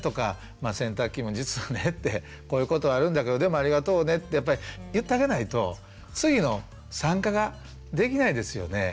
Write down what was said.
洗濯機も「実はね」ってこういうことあるんだけどでもありがとうねってやっぱり言ってあげないと次の参加ができないですよね。